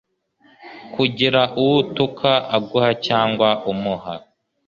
kugira uwo utuka aguha cyangwa umuha